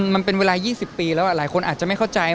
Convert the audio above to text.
มันเป็นเวลา๒๐ปีแล้วหลายคนอาจจะไม่เข้าใจ